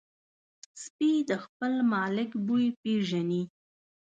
سپي د خپل مالک بوی پېژني.